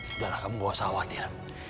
janganlah kamu bawa saya khawatir